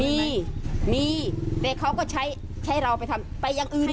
มีมีแต่เขาก็ใช้เราไปทำไปอย่างอื่น